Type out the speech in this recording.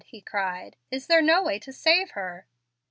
he cried, "is there no way to save her?"